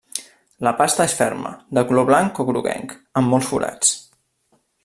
La pasta és ferma, de color blanc o groguenc, amb molts forats.